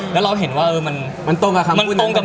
แล้วเห็นว่ามันตรงกับเม้ม